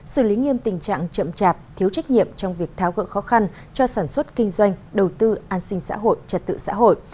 xử lý nghiêm tình trạng chậm chạp thiếu trách nhiệm trong việc tháo gỡ khó khăn cho sản xuất kinh doanh đầu tư an sinh xã hội trật tự xã hội